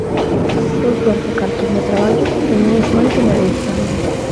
Eu perdo cartos no traballo e menos mal que me deixan.